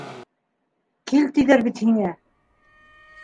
Кил тиҙәр бит һиңә!